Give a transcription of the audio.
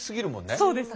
そうですね。